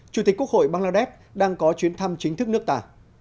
chủ tịch quốc hội bangladesh đang có chuyến thăm chính thức nước ta